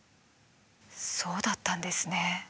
そうだったんですね。